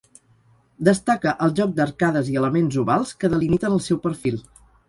Destaca el joc d'arcades i elements ovals que delimiten el seu perfil.